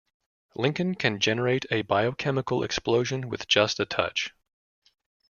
Lincoln can generate a biochemical explosion with just a touch.